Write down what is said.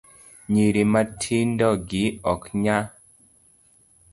Nyiri matindogi ok ny